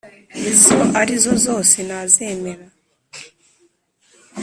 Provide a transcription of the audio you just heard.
izo ari zo zose nazemera.